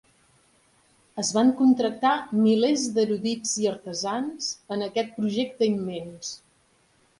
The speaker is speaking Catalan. Es van contractar milers d'erudits i artesans en aquest projecte immens.